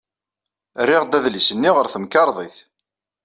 Rriɣ-d adlis-nni ɣer temkerḍit.